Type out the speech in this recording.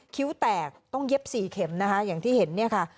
คิ้วแตกต้องเย็บ๔เข็มนะคะอย่างที่เห็นเนี่ยค่ะ